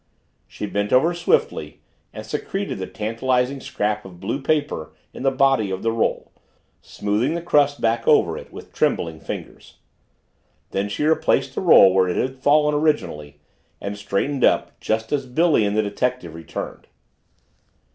She bent over swiftly and secreted the tantalizing scrap of blue paper in the body of the roll, smoothing the crust back above it with trembling fingers. Then she replaced the roll where it had fallen originally and straightened up just as Billy and the detective returned.